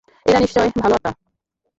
এরা নিশ্চয় ভালো আত্মা!